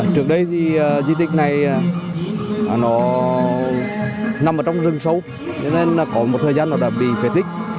trước đây di tích này nó nằm trong rừng sâu cho nên có một thời gian nó đã bị phê tích